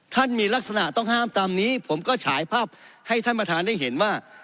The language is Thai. มีลักษณะต้องห้ามตามนี้ผมก็ฉายภาพให้ท่านประธานได้เห็นว่า